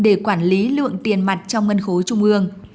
để quản lý lượng tiền mặt trong ngân khố trung ương